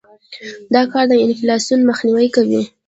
دا کار د انفلاسیون مخنیوى کوي.